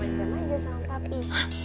masih sama aja sama papi